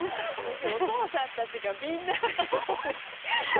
きょう、お父さんたちがみんなでね。